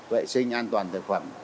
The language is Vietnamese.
vệ sinh an toàn thực phẩm